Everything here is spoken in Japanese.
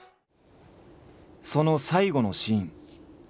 その最期のシーン。